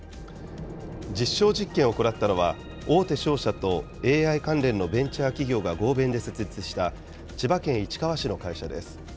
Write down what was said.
実証実験を行ったのは、大手商社とＡＩ関連のベンチャー企業が合弁で設立した千葉県市川市の会社です。